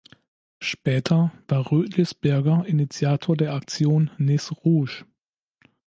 Später war Röthlisberger Initiator der Aktion "Nez Rouge".